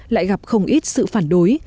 lại gặp không ít sự phản đối